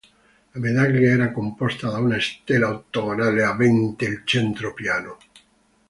La medaglia era composta da una stella ottagonale avente il centro piano.